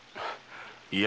いや。